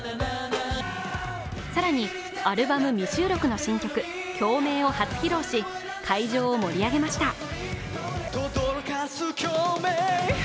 更にアルバム未収録の新曲「共鳴」を初披露し会場を盛り上げました。